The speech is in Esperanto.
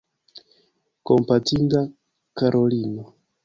Kompatinda Karolino!